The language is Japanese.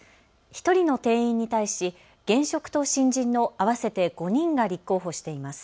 １人の定員に対し現職と新人の合わせて５人が立候補しています。